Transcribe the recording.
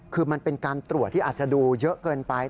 คือมันเป็นการตรวจที่อาจจะดูเยอะเกินไป